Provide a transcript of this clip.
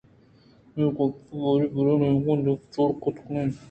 اے گپ ءِ باری ءَ برے نیمگے دپ ءَ چوٹ کن اَنت